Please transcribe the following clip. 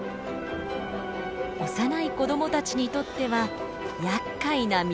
幼い子供たちにとってはやっかいな溝です。